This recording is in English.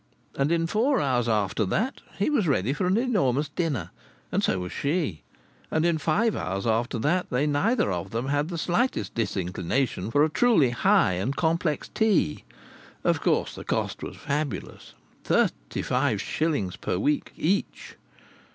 And in four hours after that he was ready for an enormous dinner, and so was she; and in five hours after that they neither of them had the slightest disinclination for a truly high and complex tea. Of course, the cost was fabulous. Thirty five shillings per week each.